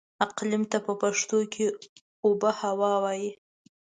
اقليم ته په پښتو کې اوبههوا وايي.